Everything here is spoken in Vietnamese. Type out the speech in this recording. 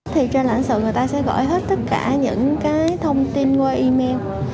trên lãnh sự người ta sẽ gửi hết tất cả những thông tin qua email